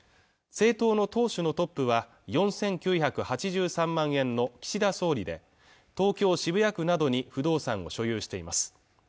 政党の党首のトップは４９８３万円の岸田総理で東京・渋谷区などに不動産を所有しています